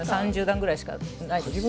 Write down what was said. ３０段くらいしかないですし。